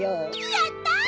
やった！